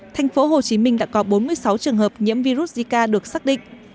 tp hcm đã có bốn mươi sáu trường hợp nhiễm virus zika được xác định